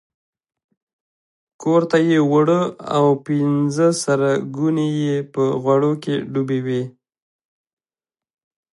کورته یې وړه او پنځه سره ګوني یې په غوړو کې ډوبې وې.